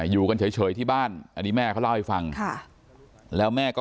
อยู่กันเฉยที่บ้านแม่เล่าให้ฟังแล้วแม่ก็